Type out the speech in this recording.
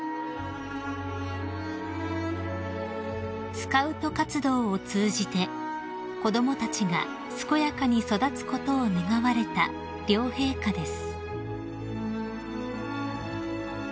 ［スカウト活動を通じて子供たちが健やかに育つことを願われた両陛下です］